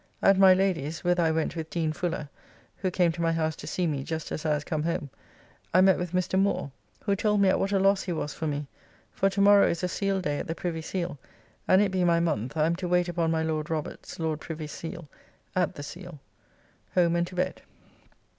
At my Lady's (whither I went with Dean Fuller, who came to my house to see me just as I was come home) I met with Mr. Moore, who told me at what a loss he was for me, for to morrow is a Seal day at the Privy Seal, and it being my month, I am to wait upon my Lord Roberts, Lord Privy Seal, at the Seal. Home and to bed.